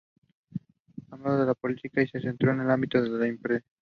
Abandonó la política y se centró en el ámbito empresarial.